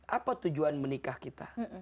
apa tujuan menikah kita